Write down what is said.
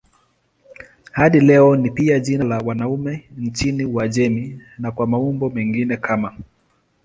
Hadi leo ni pia jina la wanaume nchini Uajemi na kwa maumbo mengine kama